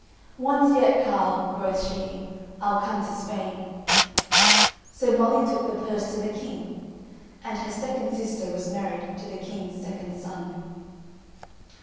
"Once yet, carle," quoth she, "I'll come to Spain." So Molly took the purse to the king, and her second sister was married to the king's second son.